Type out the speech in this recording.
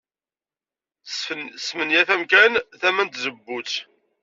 Tesmenyaf amkan tama n tzewwut.